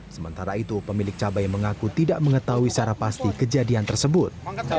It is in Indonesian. sementara itu pemilik cabai mengaku tidak mengetahui secara pasti kejadian tersebut